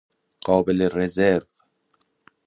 قابل رزرو